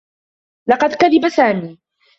لقد كذب سامي.